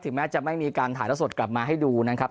แม้จะไม่มีการถ่ายละสดกลับมาให้ดูนะครับ